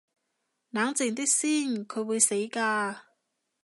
冷靜啲先，佢會死㗎